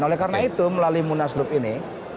oleh karena itu melalui munaslup ini